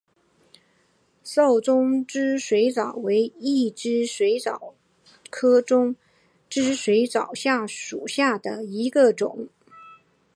瘦中肢水蚤为异肢水蚤科中肢水蚤属下的一个种。